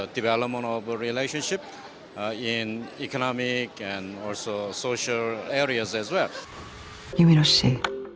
dalam bidang ekonomi dan sosial juga